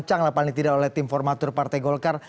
dan juga terancang paling tidak oleh tim formator partai golkar